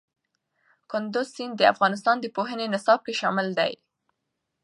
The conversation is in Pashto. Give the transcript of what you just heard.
کندز سیند د افغانستان د پوهنې نصاب کې شامل دی.